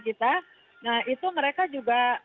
kita nah itu mereka juga